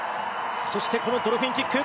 そして、このドルフィンキック。